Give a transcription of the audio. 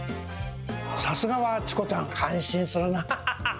さすがはチコちゃん、感心するな。